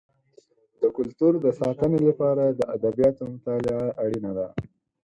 د کلتور د ساتنې لپاره د ادبیاتو مطالعه اړینه ده.